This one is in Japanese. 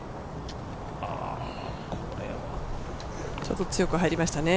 ちょっと強く入りましたね。